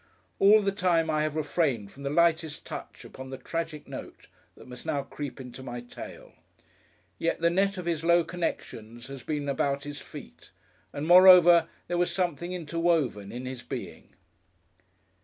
All the time I have refrained from the lightest touch upon the tragic note that must now creep into my tale. Yet the net of his low connections has been about his feet, and moreover there was something interwoven in his being....